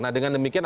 nah dengan demikian